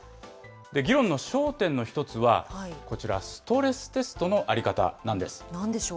議論の焦点の一つは、こちら、ストレステストの在り方なんです。